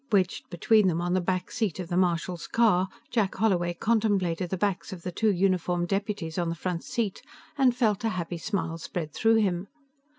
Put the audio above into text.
Wedged between them on the back seat of the marshal's car, Jack Holloway contemplated the backs of the two uniformed deputies on the front seat and felt a happy smile spread through him.